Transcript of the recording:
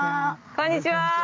こんにちは！